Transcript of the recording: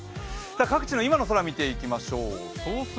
各地の今の空を見ていきましょう。